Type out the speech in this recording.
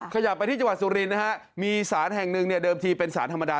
ขยับไปที่จังหวัดสุรินทร์นะฮะมีสารแห่งหนึ่งเนี่ยเดิมทีเป็นสารธรรมดา